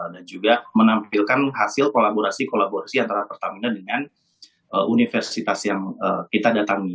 dan juga menampilkan hasil kolaborasi kolaborasi antara pertamina dengan universitas yang kita datangi